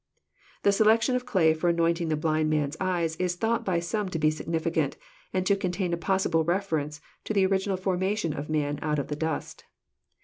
The selection of clay for anointing the blind man's eyes is thought by some to be significant, and to contain a possible reference to the original formation of man out of the dust.